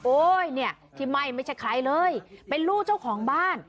เนี่ยที่ไหม้ไม่ใช่ใครเลยเป็นลูกเจ้าของบ้าน